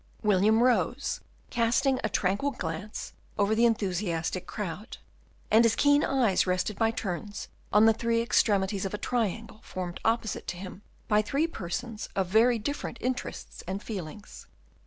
William rose, casting a tranquil glance over the enthusiastic crowd, and his keen eyes rested by turns on the three extremities of a triangle formed opposite to him by three persons of very different interests and feelings.